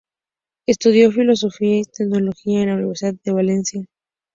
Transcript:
Estudió Filosofía y Teología en la Universidad de Valencia.